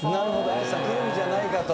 綾瀬さんくるんじゃないかと。